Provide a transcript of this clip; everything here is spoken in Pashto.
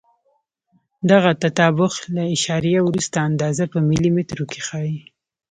دغه تطابق له اعشاریه وروسته اندازه په ملي مترو کې ښیي.